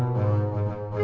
gak ada apa apa